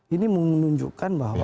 ini menunjukkan bahwa